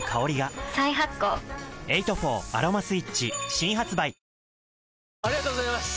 新発売ありがとうございます！